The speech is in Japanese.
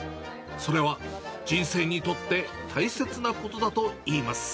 それは人生にとって大切なことだといいます。